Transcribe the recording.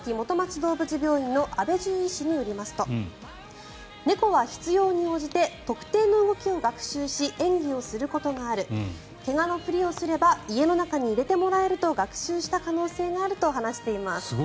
どうぶつ病院の阿部獣医師によりますと猫は必要に応じて特定の動きを学習し演技をすることがある怪我のふりをすれば家の中に入れてもらえると学習した可能性があると話しています。